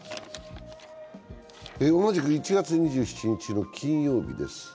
同じく１月２７日金曜日です。